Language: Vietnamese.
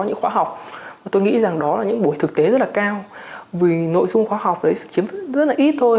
những khóa học mà tôi nghĩ rằng đó là những buổi thực tế rất là cao vì nội dung khoa học đấy chiếm rất là ít thôi